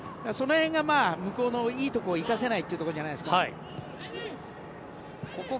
その辺が、向こうのいいところを生かせないということじゃないですかね。